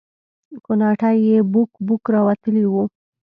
کوناټي يې بوک بوک راوتلي وو.